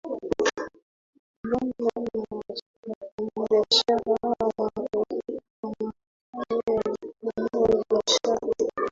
viwanda na wafanyabiashara wa Marekani walipanua biashara